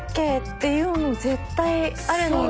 っていうの絶対あるので。